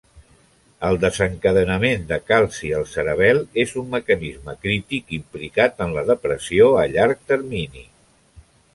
El desencadenament de calci al cerebel és un mecanisme crític implicat en la depressió a llarg termini.